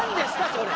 それ。